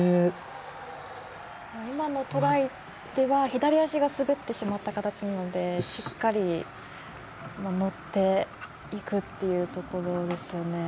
今のトライでは左足が滑ってしまった感じなのでしっかり乗っていくっていうところですよね。